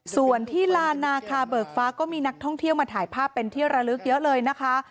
ส่วนที่ลานนาคาเบิกฟ้าก็มีนักท่องเที่ยวมาถ่ายภาพเป็นที่ระลึกเยอะเลยนะคะ